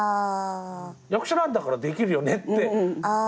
「役者なんだからできるよね」ってなっちゃう。